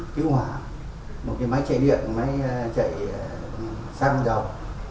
một cái máy chạy sang đầu